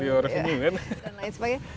portfolio resmi dan lain sebagainya